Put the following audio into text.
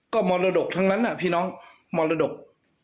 ก็มอฤดกษ์ตั้งนั้นพี่น้องมอฤดกษ์